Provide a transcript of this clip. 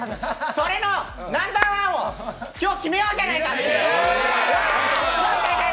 それのナンバーワンを今日、決めようじゃないかと！